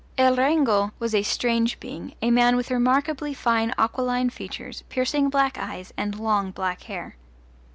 El Rengo was a strange being, a man with remarkably fine aquiline features, piercing black eyes, and long black hair.